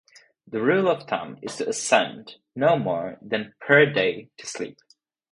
The rule of thumb is to ascend no more than per day to sleep.